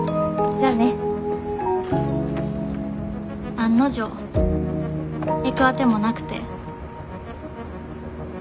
案の定行く当てもなくて。